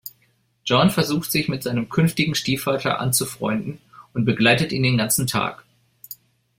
John versucht, sich mit seinem künftigen Stiefvater anzufreunden und begleitet ihn den ganzen Tag.